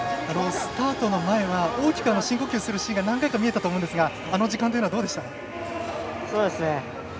スタートの前は大きく深呼吸するシーンが何回か見えたんですがあの時間というのはどうでした？